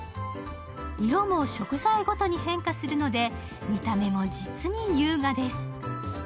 色も食材ごとに変化するので見た目も実に優雅です。